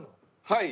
はい。